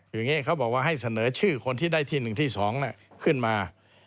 อย่างนี้เขาบอกว่าให้เสนอชื่อคนที่ได้ที่๑ที่๒ขึ้นมา